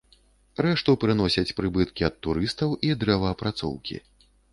Рэшту прыносяць прыбыткі ад турыстаў і дрэваапрацоўкі.